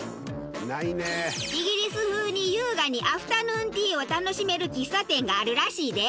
イギリス風に優雅にアフタヌーンティーを楽しめる喫茶店があるらしいで。